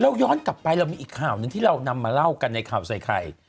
ย้อนกลับไปเรามีอีกข่าวหนึ่งที่เรานำมาเล่ากันในข่าวใส่ไข่